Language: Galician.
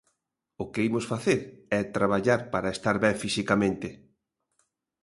O que imos facer é traballar para estar ben fisicamente.